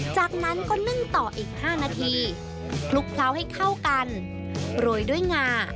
จากนั้นก็นึ่งต่ออีก๕นาทีคลุกเคล้าให้เข้ากันโรยด้วยงา